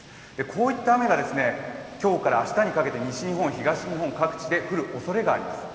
こういった雨が今日から明日にかけて西日本、東日本各地で降るおそれがあります。